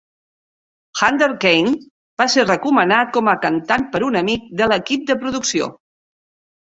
Hunter Kaine va ser recomanat com a cantant per un amic de l'equip de producció.